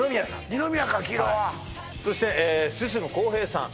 二宮か黄色はそして進公平さん